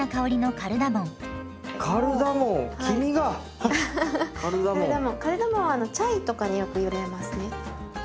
カルダモンはチャイとかによく入れますね。